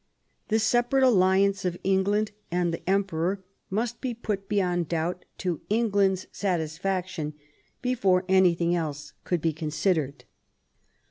The separate alliance of England and the Emperor must be put beyond doubt to England's satisfaction before anything else could be considered.